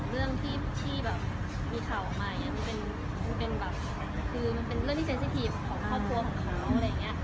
เรื่องที่แบบมีข่าวออกมาอย่างนี้มันเป็นแบบคือมันเป็นเรื่องที่เซ็นซี่ทีฟของครอบครัวของเขาอะไรอย่างนี้